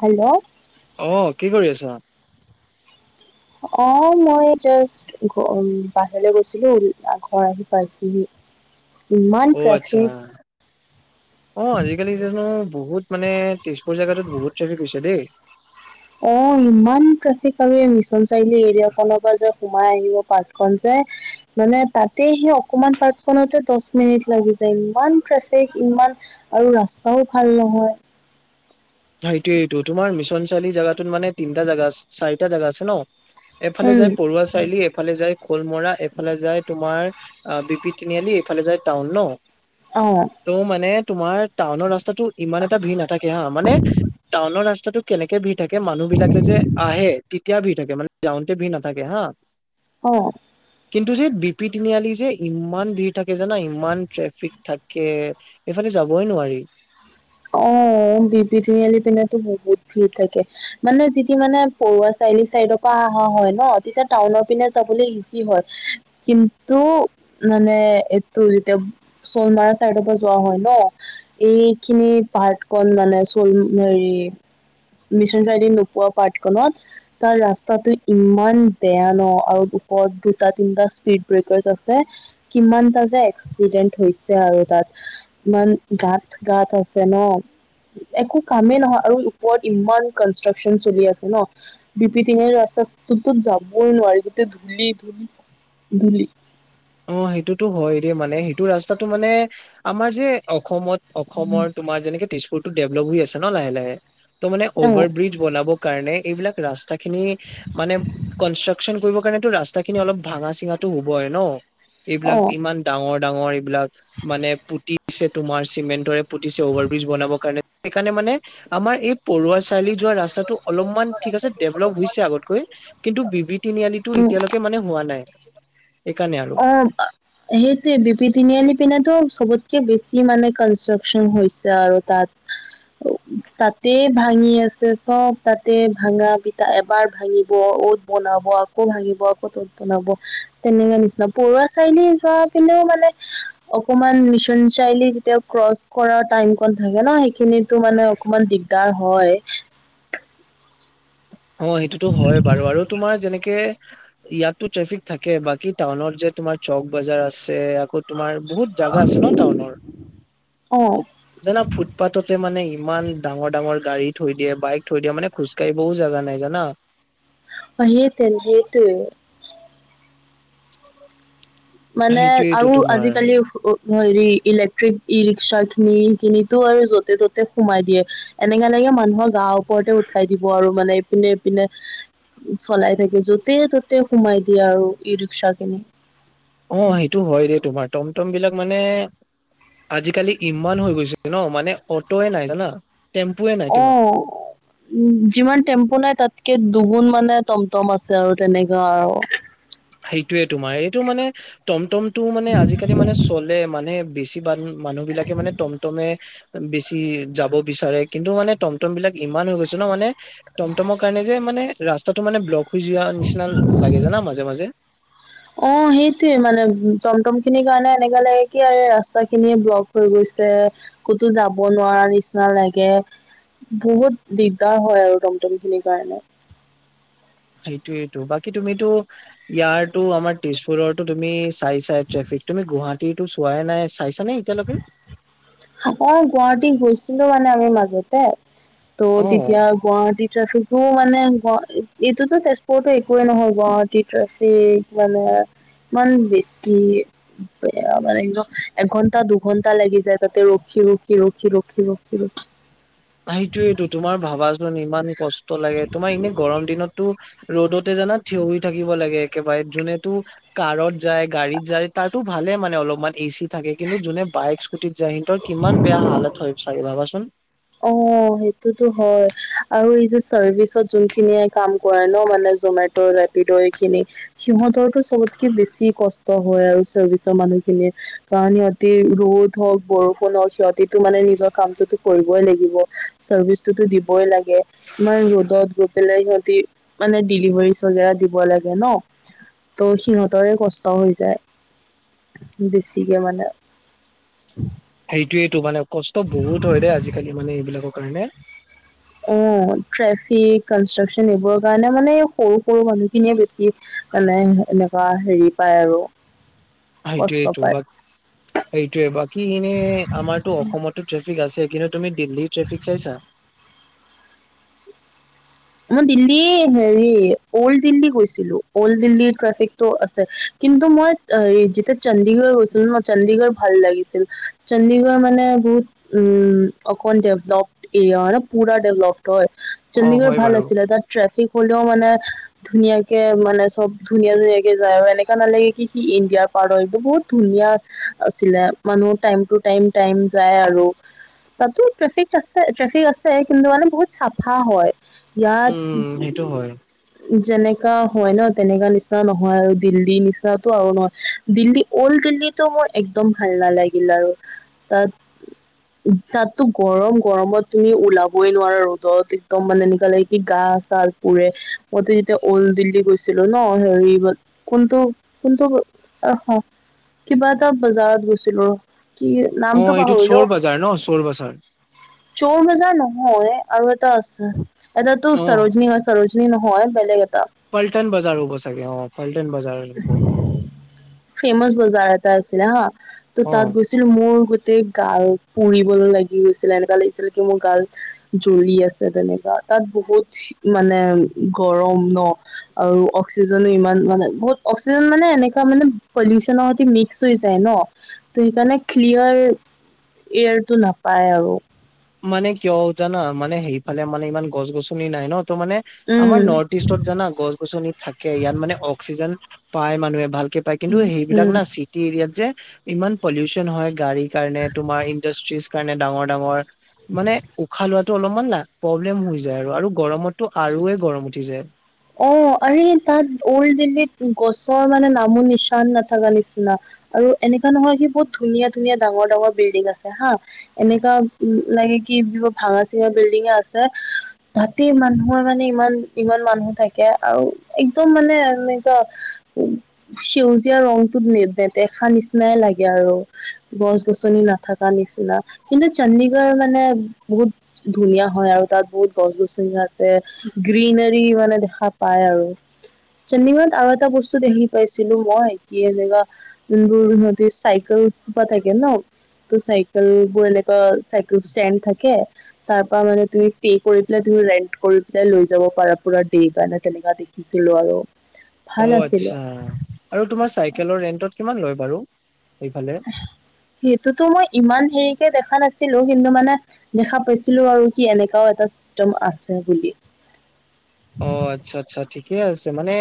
Hello অ কি কৰি আছা অ মই জাষ্ট ঘ বাহিৰলৈ গৈছিলো ঘৰ আহি পাইছোহি [inaudible] ইমান অ', আচ্ছা ট্ৰেফিক অ আজিকালি জানো বহুত মানে তেজপুৰ জেগাতোত বহুত ট্ৰেফিক হৈছে দেই। অ ইমান ট্ৰেফিক আৰু মিছন চাৰিআলি এৰিয়া ফালৰ পৰা যে সোমাই আহিব পাৰ্টখন যে মানে তাতে সেই অকমান পাৰ্টখনতে দহ মিনিট লাগি যায়। ইমান ট্ৰেফিক ইমান আৰু ৰাস্তাও ভাল নহয়। সেইটোৱেটো তোমাৰ মিছন চাৰিলি জেগাটোত মানে তিনিটা জাগা চাৰিটা জাগা আছে ন? এফালে উম যায় পৰু়ৱা চাৰিআলি এইফালে যায় খলমৰা, এইফালে যায় তোমাৰ বিপি তিনিআলি, এইফালে যায় টাউন ন? অ ত মানে তোমাৰ টাউনৰ ৰাস্তাটো ইমান এটা ভিৰ নাথাকে হা মানে টাউনৰ ৰাস্তাটো কেনেকে ভিৰ থাকে মানুহ বিলাকে যে আহে তেতিয়া ভিৰ থাকে মানে যাওঁতে ভি নাথাকে হা। অ। কিন্তু যে বি পি তিনিআলি যে ইমান ভিৰ থাকে জানা, ইমান ট্ৰেফিক থাকে। এইফালে যাবই নোৱাৰি। [inaudible] বি বি তিনিআলি পিনেতো বহুত ভিৰ থাকে, মানে যিদি মানে পৰুৱা চাৰিলি চাইডক পা হয় হয় ন তেতিয়া টাউনৰ পিনে যাবলৈ ইজি হয় কিন্তু মানে এইটো যেতিয়া চলমাৰা চাইডৰ পৰা যোৱা হয় ন এই খিনি পাৰ্ট কল মানে চলমেৰি মিছন চাৰিআলিৰ নোপোৱা পাঠখনত তাৰ ৰাস্তাটো ইমান বেয়া ন আৰু ওপৰত দুটা তিনটা স্পীড ব্ৰেকাৰছ আছে, কিমানটা যে এক্সিডেন্ট হৈছে আৰু তাত ইমান গাত গাত আছে ন একো কামেই নহয় আৰু ওপৰত ইমান কনষ্ট্ৰাকচন চলি আছে ন বিপি তিনিআলিৰ ৰাস্তাটোতো যাবই নোৱাৰি গোটেই ধূলি-ধূলি-ধূলি। অ সেইটো টো হয় দে মানে সেইটো ৰাস্তাতো মানে আমাৰ যে অসমত অসমৰ তোমাৰ যেনেকে তেজপুৰতো ডেভেলপ হৈ আছে ন লাহে লাহে, ত' মানে অ অভাৰ ব্ৰিজ বনাবৰ কাৰণে এইবিলাক ৰাস্তা খিনি মানে কনষ্ট্ৰাকশচন কৰিবৰ কাৰণেতটো ৰাস্তা খিনি অলপ ভাঙা চিঙাটো হ'বই ন, অ এইবিলাক ইমান ডাঙৰ ডাঙৰ এইবিলাক মানে পুতিছে তোমাৰ চিমেণ্টৰে পুতিছে অভাৰব্ৰীজ বনাবৰ কাৰণে, সেইকাৰণে মানে আমাৰ এই পৰুৱা চাৰিলি যোৱা ৰাস্তাটো অলপমান ঠিক আছে ডেভলপ হৈছে আগতকৈ কিন্তু বি পি তিনি আলিটো উম এতিয়ালৈকে মানে হোৱা নাই। সেইকাৰণে আৰু। অ সেইটোৱে বি পি তিনিআলি পিনেটো চবতকে বেছি মানে কনষ্ট্ৰাকচন হৈছে আৰু তাত [inaudible] তাতে ভা ভাঙি আছে চব তাতে ভাঙা পিটা এবাৰ ভাঙিব, অট বনাব আকৌ আকৌ ভাঙিব আকৌ ত'ত বনাব তেনেকুৱা নিচিনা। পৰুৱা চাৰিআলি যোৱা পিনেও মানে অকমান মিছন চাৰিলি যেতিয়া ক্ৰচ কৰা টাইম কন থাকে ন সেইখিনিতো মানে অকনমান দিগ তাৰ হয় অ সেইটোতো হয় বাৰু আৰু তোমাৰ যেনেকে ইয়াততো ট্ৰেফিক থাকে বাকী টাউনত যে তোমাৰ চক বজাৰ আছে আকৌ তোমাৰ বহুত জাগা আছে ন টাউনৰ অ জানা ফুটপাথতে মানে ইমান ডাঙৰ ডাঙৰ গাড়ী থৈ দিয়ে, বাইক থৈ দিয়ে, মানে খোজকাঢ়িবও বহু জেগা নাই নাই জানা। অঁ সেইতে সেইটোৱে। মানে সেইটোয়েইটো আৰু তোমাৰ আজিকালি- হেৰি ইলেক্ট্ৰিক ই ৰিক্সা খিনি, সেই খিনিতো আৰু য'তে ত'তে সোমাই দিয়ে। এনেকে এনেকে মানুহৰ গাৰ ওপৰতে উঠাই দিব আৰু মানে- ইপিনে সিপিনে চলাই থাকে, যতে ত'তে সোমাই দিয়ে আৰু ই ৰিক্সা খিনি। অঁ সেইটো হয় দেই। তোমাৰ টমটম বিলাক মানে- আজিকালি ইমান হৈ গৈছে ন মানে অটোয়ে নাই জানা। টেম্পু এ নাই। অঁ। তোমাৰ উম যিমান টেম্পু নাই তাতকে দুগুণ মানে টমটম আছে আৰু তেনেকা আৰু। সেইটোয়ে তোমাৰ, এইটো মানে টমটমটো মানে আজিকালি মানে চলে মানে বেছি বা- মানুহ বিলাকে মানে টমটমে- বেছি যাব বিচাৰে কিন্তু মানে টমটম বিলাক ইমান হৈ গৈছে ন মানে- টমটমৰ কাৰণে যে মানে ৰাস্তাটো মানে ব্লক হৈ যোৱা নিচিনা লাগে জানা মাজে মাজে। উ [unintelligible] অঁ সেইটোৱে মানে টমটম খিনিৰ কাৰণে এনেকা লাগে কি আৰু ৰাস্তা খিনিয়ে ব্লক হৈ গৈছে। ক'তো যাব নোৱাৰা নিচিনা লাগে। বহুত দিগদাৰ হয় আৰু টমটম খিনিৰ কাৰণে। সেইটোয়েইটো। বাকী তুমিতো ইয়াৰো আমাৰ তেজপুৰৰটো তুমি- চাইছাই ট্ৰেফিক। তুমি গুৱাহাটীৰটো চোৱাই নাই চাইছা নে এতিয়ালৈকে? অঁ গুৱাহাটী গৈছিলোঁ মানে আমি মাজতে, ত' অ তেতিয়া গুৱাহাটীত- ট্ৰেফিকো মানে গ এইটোতো তেজপুৰতো একোৱে নহয়, গুৱাহাটী ট্ৰেফিক মানে! ইমান বেছি বেয়া মানে একদম এঘণ্টা দুঘন্টা লাগি যায়। তাতে ৰখি ৰখি ৰখি ৰখি ৰখি ৰখি। সেইটোয়েইটো, তোমাৰ ভাবা- চোন ইমান কষ্ট লাগে, তোমাৰ এনে গৰম দিনততো ৰ'দতে জানা থিয় হৈ থাকিব লাগে। একেবাৰে যোনে তো- কাৰত যায়, গাড়ীত যায় তাৰতো ভালে মানে অলপমান এচি থাকে কিন্তু যোনে বাইক স্কুটিত যায় সিহঁতৰ- কিমান বেয়া হালত হয় চাগে ভাবাচোন। অঁ সেইটোতো হয় আৰু এই যে চাৰ্ভিচত যোনখিনিয়ে কাম কৰে ন মানে জমে- তৰ, ৰেপিড এইখিনি। সিহঁতৰতো চবতকে বেছি কষ্ট হয় আৰু চাৰ্ভিচৰ মানুহখিনিৰ। কাৰণ সিহঁতি ৰ'দ হওঁক, বৰষুণ হওঁক সিহঁতিটো মানে নিজৰ কামটোতো কৰিব- লাগিহ, চাৰ্ভিচটোটো দিবই লাগে ইমান ৰ'দত গৈ পেলাই সিহঁতি। মানে ডেলিভাৰী চলিয়াই দিব লাগে ন। ত' সিহঁতৰে কষ্ট হৈ যায় বেছিকে মানে। সেইটোয়েটো মানে কষ্ট বহুত হয় দেই আজিকালি মানে এইবিলাকৰ কাৰণে। অঁ ট্ৰেফিক, কনষ্ট্ৰাকচন এইবোৰৰ কাৰণে মানে সৰু সৰু মানুহ খিনিয়ে বেছি- মানে এনেকুৱা হেৰি পায় আৰু। কষ্ট সেইটোয়েটো পায়। বা- সেইটোৱে। বাকী এনে আমাৰ অসমতো ট্ৰেফিক আছে কিন্তু তুমি দিল্লীৰ ট্ৰেফিক চাইছা? মই দিল্লী হেৰি অল্ড দিল্লী গৈছিলোঁ, অল্ড দিল্লীৰ ট্ৰেফিকটো আছে কিন্তু মই- অঁ হেৰী যেতিয়া চণ্ডীগড় গৈছিলোঁ না চণ্ডীগড় ভাল লাগিছিল। চণ্ডীগড় মানে বহুত- উম অকল ডেভলোপ্ড এৰিয়া মানে পুৰা ডেভলোপ্ড হয়। অ চণ্ডীগড়- হয় ভাল বাৰু আছিলে তাত ট্ৰেফিক হ'লেও মানে- ধুনীয়াকে মানে চব ধুনীয়া ধুনীয়াকে যায় আৰু এনেকা নালাগে কি সি ইণ্ডিয়াৰ পাৰ্ট হয় বহুত ধুনীয়া আছিলে মানুহ টাইম টু টাইম টাইম যায় আৰু। তাতো ট্ৰেফিক আছে ট্ৰেফিক আছে কিন্তু মানে বহুত চাফা হয়। ইয়াত উম সেইটো হয় যেনেকা হয় ন তেনেকা নিচিনা নহয় আৰু দিল্লীৰ নিচিনাটো আৰু নহয়। দিল্লী অল্ড দিল্লীতো মোৰ একদম ভাল নালাগিল আৰু। তাত তাতটো গৰম, গৰমত তুমি ওলাবই নোৱাৰা ৰ'দত একদম মানে এইফালে কি গাৰ ছাল পুৰে মইতো যেতিয়া ওল্ড দিল্লীত গৈছিলো ন হেৰি বাট কোনটো কোনটো আহ হ কিবা এটা বজাৰত গৈছিলো, কি অঁ নামটো এইটো চোৰ বাজাৰ ন চোৰ বাজাৰ। চোৰ বাজাৰ নহয় আৰু এটা আছে এটা তো অ চাৰজনি হয় চাৰজ নি নহয় বেলেগ এটা পাল্টন বাজাৰ হব চাগে অঁ পাল্টন বাজাৰ হ'ব। ফেমাছ বজাৰ এটা আছিলে হা তো অ তাত গৈ ছিলো মোৰ গোটেই গাল পুৰিবলৈ লাগি গৈছিলে এনেকুৱা লাগিছিল কি মোৰ গাল জ্বলি আছে তেনেকা তাত বহুত মানে গৰম ন আৰু অক্সিজেনো ইমান মানে বহুত অক্সিজেন মানে এনেকুৱা মানে পলিউচনৰ সৈতে মিক্স হৈ যায় ন, ত' সেইকাৰণে ক্লিয়াৰ এয়াৰটো নাপায় আৰু। মানে কিয় জানা মানে সেইফালে মানে ইমান গছ গছনি নাই ন ত' মানে উম আমাৰ নৰ্থ ইষ্টত জানা গছ গছনি থাকে ইয়াত মানে অক্সিজেন পাই মানুহে ভালকে পায় কিন্তু উম সেইবিলাক উম না চিটি এৰিয়াত যে ইমান পলিউচন হয় গাড়ী কাৰণে তোমাৰ ইণ্ডাষ্ট্ৰিজ কাৰণে ডাঙৰ ডাঙৰ মানে উশাহ লোৱাটো অলপমান না প্ৰব্লেম হৈ যায় আৰু, আৰু গৰমতটো আৰুয়ে গৰম উঠি যায়। অঁ আৰে তাত ওল্ড দিল্লীত গছৰ মানে নামো নিচান নাথাকা নিচিনা। আৰু এনেকা নহয় সি বহুত ধুনীয়া ধুনীয়া ডাঙৰ ডাঙৰ বিল্ডিং আছে হা এনেকা উম লাগে কি ধুপ ভাঙা চিঙা বিল্ডিঙে আছে তাতেই মানুহৰ মানে ইমান ইমান মানুহ থাকে আৰু একদম মানে এনেকোৱা সেউজীয়া ৰংতোত নে নেদেখা নিচিনাই লাগে আৰু, গছ গছনি না থাকা নিচিনা কিন্তু, চণ্ডীগড় মানে বহুত ধুনীয়া হয় আৰু তাত বহুত গছ গছনি আছে গ্ৰীনেৰী মানে দেখা পাই আৰু চণ্ডিগড়ত আৰু এটা বস্তু দেখি পাইছিলো মই কি এনেকা যোনবোৰ সিহঁতে চাইকেল চিপা থাকে ন তো চাইকেলবোৰ এনেকা চাইকেল ষ্টেণ্ড থাকে। তাৰ পৰা মানে তুমি পে কৰি পেলাই তুমি ৰেন্ট কৰি পেলাই লৈ যাব পাৰা পুৰা এইকাৰনে তেনেকুৱা দেখিছিলো আৰু। অ' ভাল আছিলে আচ্ছা, আৰু তোমাৰ চাইকেলৰ ৰেণ্টত কিমান লয় বাৰু সেইফালে? সেইটোতো মই ইমান হেৰিকে দেখা নাছিলো কিন্তু মানে দেখা পাইছিলো আৰু কি এনেকাও এটা চিষ্টেম আছে বুলি। অ' আচ্ছা আচ্ছা ঠিকে আছে, মানে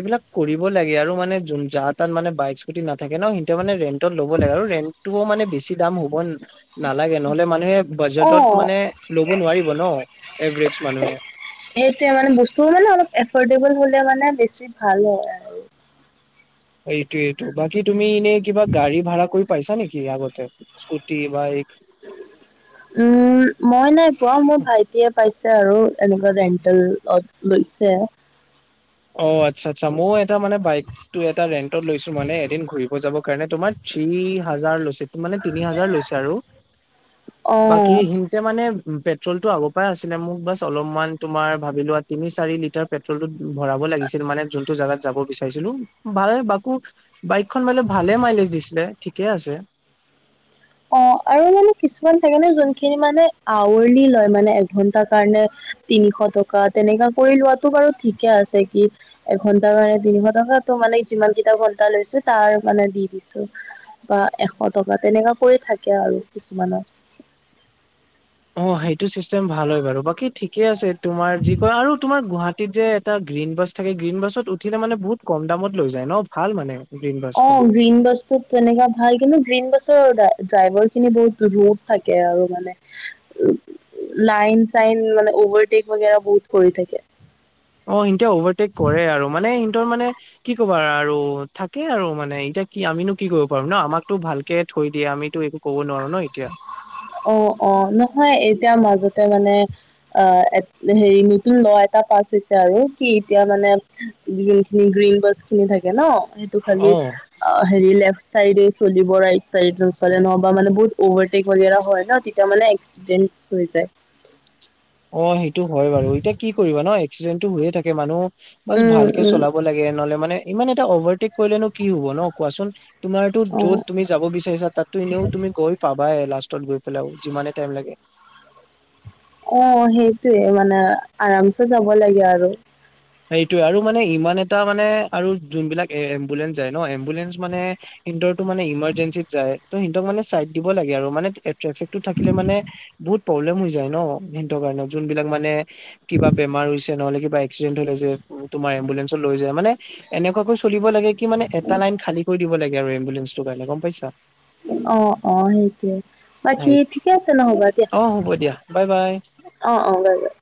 এইবিলাক কৰিব লাগে আৰু মানে যোন যাৰ তাত মানে বাইক স্কুটি নাথাকে ন সিহঁতে মানে ৰে ণ্টত ল'ব লাগে আৰু ৰেন্টটোও মানে বেছি দাম হ'ব নালাগে নহ'লে মানুহে অ বাজেটত মানে ল'ব নোৱাৰিব ন এভৰেজ মানুহে। সেইটোৱে মানে বস্তু মানে অলপ এফৰ্ডেবল হলে মানে বেছি ভাল হয়। আৰু এইটোৱেটো, বাকী তুমি এনেই কিবা গাড়ী ভাড়া কৰি পাইছা নেকি আগতে স্কুটি, বাইক- উম' মই নাই পোৱা মোৰ ভাইট- এতিয়া পাইছে আৰু এনেকুৱা ৰেণ্টেলত লৈছে। অ' আৎচ্ছা আৎচ্ছা ময়ো এটা মানে বাইক- তো এটা ৰেন্টত লৈছো মানে এদিন ঘুৰিব যাব কাৰণে তোমাৰ থ্ৰি হাজাৰ লৈছে। মানে তিনি হাজাৰ লৈছে আৰু বাকী অ', সিঁ- এতিয়া মানে উম পেট্ৰলটো আগৰ পাই আছিলে মোক বাছ অলপমান তুমি ভাবি লোৱা তিনি চাৰি লিটাৰ পেট্ৰলতো- ভৰাব লাগিছিল মানে যোনটো জাগাত যাব বিচাৰিছিলো বায়ে বাকো- বাইকখন মানে ভালে মাইলেজ দিছিলে ঠিকে আছে। অঁ আৰু মানে কিছুমান থাকে ন যোনখিনি মানে আওৰলি লয় মানে এঘন্টা কাৰণে। তিনিশ টকা তেনেকা কৰি লোৱাটো বাৰু ঠিকে আছে কি- এঘন্টাৰ কাৰণে তিনিশ টকাটো মানে যিমান কেইটা ঘন্টা লৈছো তাৰ মানে দি দিছো। বা এশ টকা তেনেকা কৰি থাকে আৰু কিছুমানৰ। অঁ সেইটো চিষ্টেম ভাল হয় বাৰু বাকী ঠিকে আছে তোমাৰ যি কয় আৰু তোমাৰ গুৱাহাটীত যে- এটা গ্ৰীণ বাছ থাকে গ্ৰীণ বাছত উঠিলে মানে বহুত কম দামত লৈ যায় ন ভাল মানে। গ্ৰীণ বাছখন অঁ গ্ৰীণ বাছ- ত তেনেকা ভাল কিন্তু গ্ৰীণ বাছৰ ড্ৰাইভাৰ খিনি বহুত ৰোপ থাকে আৰু মানে। লাইন চাইন মানে অভাৰটেক বাগেৰা বহুত কৰি থাকে। অঁ ইনতে অভাৰটেক কৰে আৰু মানে ইনতৰ মানে- কি কবা আৰু? থাকে আৰু মানে এতিয়া কি আমিনো কি কৰিব পাৰো ন আমাকতো ভালকে থৈ দিয়ে আমিতো একো- ক'ব নোৱাৰো ন এতিয়া। অঁ অঁ নহয় এতিয়া মাজতে মানে- আহ এ হেৰি নতুন ল এটা পাছ হৈছে আৰু কি এতিয়া মানে- যোনখিনি গ্ৰীণ বাছ খিনি থাকে ন- ত অ খালি হেৰি লেফট চাইডে চলিব ৰাইট চাইড নচলে নহ'ব মানে বহুত- অভাৰটেক বাগেৰা হয় ন তেতিয়া মানে একচটেন্স হৈ যায়। অঁ সেইটো হয় বাৰু এতিয়া কি কৰিবা ন? এক্সিডেণ্টটো হৈয়ে থাকে মানুহ- বাচ উম ভালকে উম চলাব লাগে নহ'লে মানে ইমান এটা অভাৰটেক কৰিলেনো কি হব ন কোৱাচোন? তোমাৰতো অ য'ত তুমি- যাব বিচাৰিছা তাততো এনেও তুমি গৈ পাবাই লাষ্টত গৈ পেলাইও যিমানে টাইম লাগে। অঁ সেইটোৱে মানে আৰামছে যাব লাগে আৰু। সেইটোৱে আৰু মানে ইমান এটা মানে আৰু যোনবিলাক এ এম্বুলেন্ঞ্চ যায় ন এম্বুলেন্ঞ্চ মানে- ইন্টৰটো মানে ইমাৰ্জেঞ্চিত যায়, ত সিহঁক মানে চাইড দিব লাগে আৰু মানে ট্ৰেফিকটো থাকিলে মানে- বহুত প্ৰব্লেম হৈ যায় ন হিনতৰ কাৰণে যোন বিলাক মানে- কিবা বেমাৰ হৈছে নহ'লে কিবা এক্সিডেন্ট হলে যে তোমাৰ এম্বুলেঞ্চ- চত লৈ যায় মানে এনেকুৱাকৈ চলিব লাগে কি মানে এটা লাইন খালী কৰি দিব লাগে। গে আৰু এই এম্বুুললেন্সটোৰ কাৰণে গম পাইছা? অঁ অঁ সেইটোৱে বাকী হয়। ঠিকে আছে নহবা দিয়া। অ হ'ব দিয়া বাই বাই অঁ অঁ, বাই বাই।